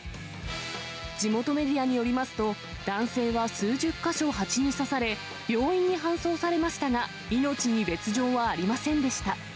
地元メディアによりますと、男性は数十か所蜂に刺され、病院に搬送されましたが、命に別状はありませんでした。